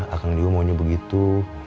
akang juga maunya begitu